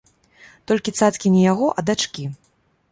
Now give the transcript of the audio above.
Толькі цацкі не яго, а дачкі.